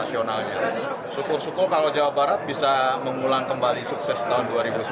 syukur syukur kalau jawa barat bisa mengulang kembali sukses tahun dua ribu sembilan belas